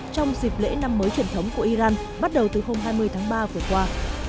trong dịp lễ năm mới truyền thống của iran bắt đầu từ hôm hai mươi tháng ba vừa qua